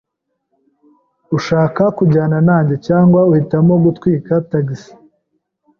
Urashaka kujyana nanjye cyangwa uhitamo kukwita tagisi?